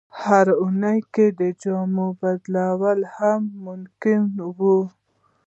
هره اونۍ کې د جامو بدلول هم ممکن وو.